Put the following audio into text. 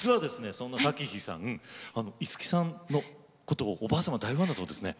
そんな咲妃さん五木さんのことをおばあ様大ファンだそうですね。